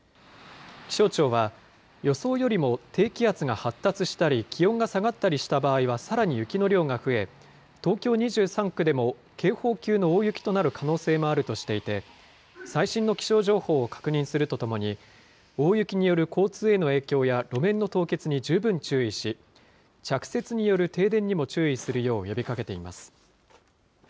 気象庁は予想よりも低気圧が発達したり、気温が下がったりした場合は、さらに雪の量が増え、東京２３区でも警報級の大雪となる可能性もあるとしていて、最新の気象情報を確認するとともに、大雪による交通への影響や路面の凍結に十分注意し、着雪による停電にも注意するよう呼びかけています。